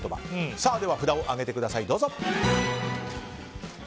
では札を上げてください。